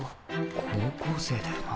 高校生だよな？